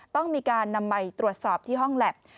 ต้องมีการนำไปตรวจสอบที่ห้องแล็บ